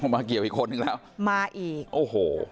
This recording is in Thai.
มาเกี่ยวอีกคนนึงแล้วมาอีกโอ้โห